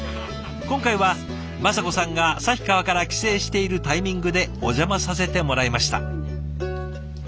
今回は雅子さんが旭川から帰省しているタイミングでお邪魔させてもらいました。